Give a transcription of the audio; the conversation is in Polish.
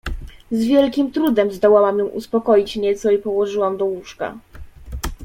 Z wielkim trudem zdołałam ją uspokoić nieco i położyłam do łóżka.